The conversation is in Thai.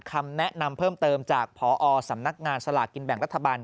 คำแนะนำเพิ่มเติมจากพอสำนักงานสลากกินแบ่งรัฐบาล